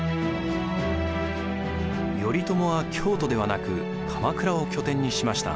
頼朝は京都ではなく鎌倉を拠点にしました。